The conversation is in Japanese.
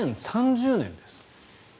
２０３０年です。